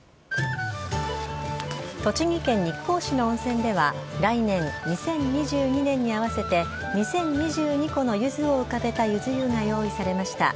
栃木県日光市の温泉では、来年・２０２２年に合わせて、２０２２個のゆずを浮かべたゆず湯が用意されました。